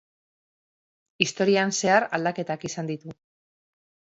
Historian zehar aldaketak izan ditu.